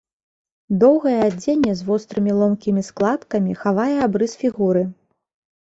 Доўгае адзенне з вострымі ломкімі складкамі хавае абрыс фігуры.